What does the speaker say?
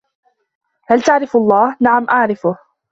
هل تعرف الله؟ "نعم، أعرفه."